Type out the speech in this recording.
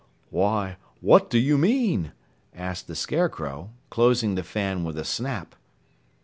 "Why, what do you mean?" asked the Scarecrow, closing the fan with a snap.